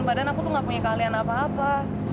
padahal aku tuh gak punya keahlian apa apa